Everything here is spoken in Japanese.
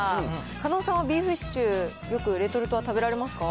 狩野さんはビーフシチュー、よくレトルトは食べられますか？